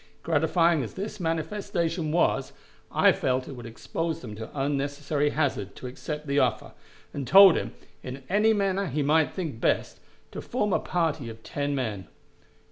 Gratifying as this manifestation was, I felt it would expose them to unnecessary hazard to accept the offer, and told him, in any manner he might think best, to form a party of ten men.